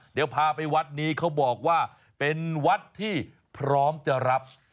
เดี๋ยวพาไปวัดนี้เขาบอกว่าเป็นวัดที่พร้อมจะรับ